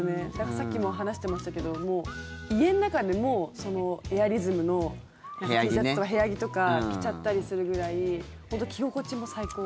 さっきも話してましたけど家の中でもエアリズムのＴシャツとか部屋着とか着ちゃったりするぐらい本当、着心地も最高。